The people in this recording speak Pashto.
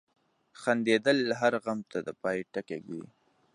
• خندېدل هر غم ته د پای ټکی ږدي.